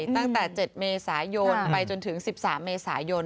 ตั้งแต่๗เมษายนไปจนถึง๑๓เมษายน